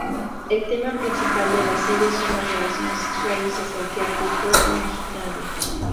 El tema principal de la serie son las relaciones sexuales de cualquier tipo imaginable.